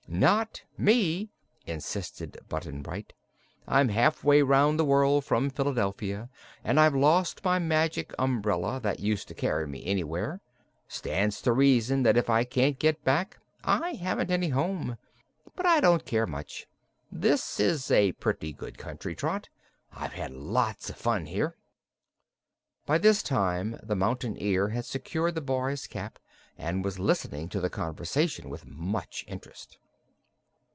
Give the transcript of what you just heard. "Not me," insisted Button Bright. "I'm half way round the world from Philadelphia, and I've lost my Magic Umbrella, that used to carry me anywhere. Stands to reason that if I can't get back I haven't any home. But I don't care much. This is a pretty good country, Trot. I've had lots of fun here." By this time the Mountain Ear had secured the boy's cap and was listening to the conversation with much interest.